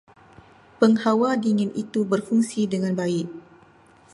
Penghawa dingin itu berfungsi dengan baik.